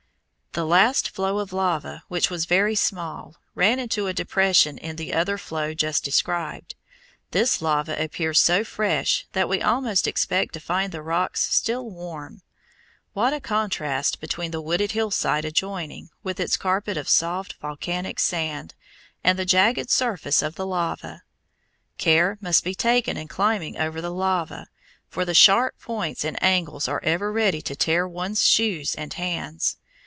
The last flow of lava, which was very small, ran into a depression in the other flow just described. This lava appears so fresh that we almost expect to find the rocks still warm. What a contrast between the wooded hillside adjoining, with its carpet of soft volcanic sand, and the jagged surface of the lava! Care must be taken in climbing over the lava, for the sharp points and angles are ever ready to tear one's shoes and hands.